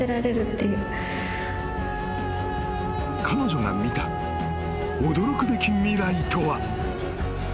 ［彼女が見た驚くべき未来とは］